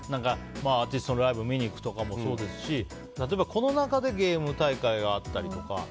アーティストのライブを見に行くとかもそうですし例えば、この中でゲーム大会があったりとか。